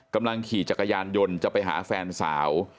ขี่จักรยานยนต์จะไปหาแฟนสาว